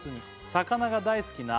「魚が大好きな」